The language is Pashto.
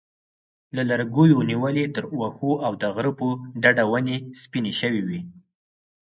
له لرګیو نیولې تر واښو او د غره په ډډه ونې سپینې شوې وې.